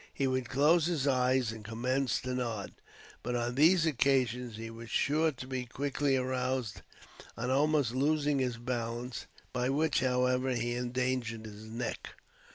He would close his eyes and commence to nod, but on these occasions he was sure to be quickly aroused on almost losing his balance, by which, however, he endangered his neck.